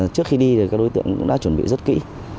trước khi đi thì các đối tượng đã chuẩn bị rất kỹ